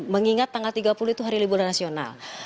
mengingat tanggal tiga puluh itu hari libur nasional